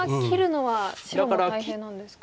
白も大変なんですか。